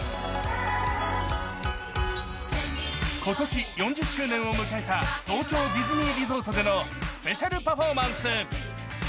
今年４０周年を迎えた東京ディズニーリゾートでのスペシャルパフォーマンス。